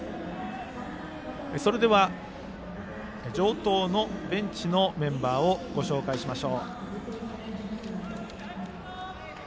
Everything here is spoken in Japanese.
それでは、城東のベンチメンバーをご紹介します。